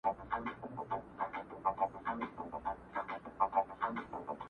زما یادیږي چي سپین ږیرو به ویله-